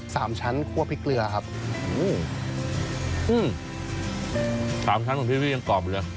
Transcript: สามชั้นคั่วพริกเกลือครับอืมสามชั้นของพี่นี่ยังกรอบอยู่เลย